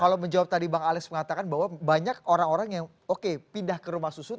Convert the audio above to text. kalau menjawab tadi bang alex mengatakan bahwa banyak orang orang yang oke pindah ke rumah susun